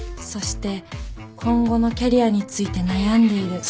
そして今後のキャリアについて悩んでいる。